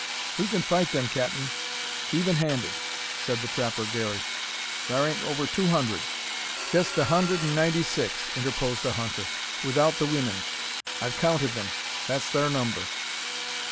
"We can fight them, capt'n, even handed," said the trapper Garey. "Thar ain't over two hundred." "Jest a hundred and ninety six," interposed a hunter, "without the weemen. I've counted them; that's thar number."